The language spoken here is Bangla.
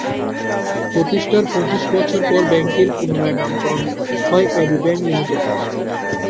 প্রতিষ্ঠার পঁচিশ বছর পর ব্যাংকটির পুনরায় নামকরণ হয় এবি ব্যাংক লিমিটেড।